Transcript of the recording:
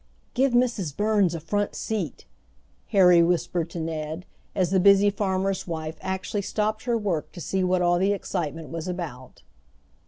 "Give Mrs. Burns a front seat," Harry whispered to Ned, as the busy farmer's wife actually stopped her work to see what all the excitement was about.